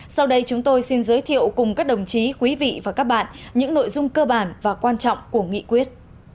sau đây chúng tôi xin giới thiệu cùng các đồng chí quý vị và các bạn những nội dung cơ bản và quan trọng của nghị quyết